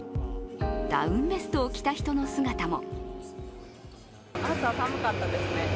ダウンベストを着た人の姿も。